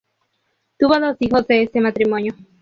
Tuvo dos hijos de este matrimonio.